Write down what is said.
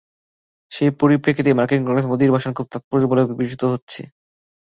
সেই পরিপ্রেক্ষিতে মার্কিন কংগ্রেসে মোদির ভাষণ খুব তাৎপর্যপূর্ণ বলে বিবেচিত হচ্ছে।